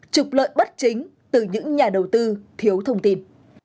trục lợi bất chính từ những nhà đầu tư thiếu thông tin